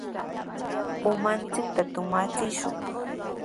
Umanchikta tumachishun.